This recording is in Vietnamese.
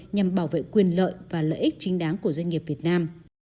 nhằm bảo vệ quyền lợi và lợi ích chính đáng của doanh nghiệp việt nam